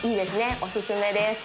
おすすめです